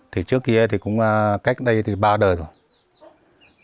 trước kia cách đây thì ba đời rồi